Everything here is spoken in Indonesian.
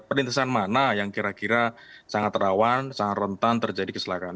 perlintasan mana yang kira kira sangat rawan sangat rentan terjadi kecelakaan